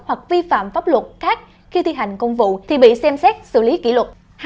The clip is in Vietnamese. hoặc vi phạm pháp luật khác khi thi hành công vụ thì bị xem xét xử lý kỷ luật